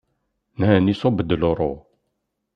Nnan iṣubb-d luṛu.